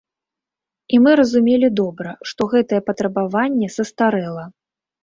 І мы разумелі добра, што гэтае патрабаванне састарэла.